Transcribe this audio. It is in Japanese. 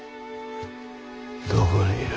どこにいる？